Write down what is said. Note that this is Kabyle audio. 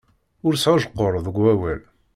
Ur sɛujqur deg awal.